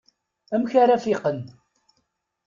Amek ara fiqen?